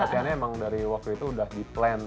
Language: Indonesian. aseannya emang dari waktu itu udah di plan